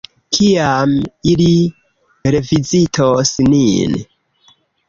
Kiam ili revizitos nin?